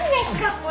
これ。